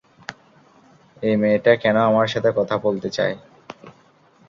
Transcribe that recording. এই মেয়েটা কেন আমার সাথে কথা বলতে চায়?